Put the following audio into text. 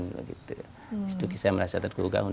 di situ saya merasa tergugah untuk bagaimana ini bisa dibangun